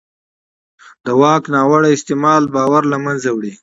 د واک ناوړه استعمال باور له منځه وړي